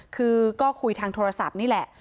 คือก็คุยทางโทรศัพท์นี่แหละ